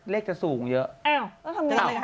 เลขจะสูงเยอะ